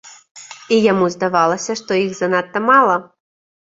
І яму здавалася, што іх занадта мала.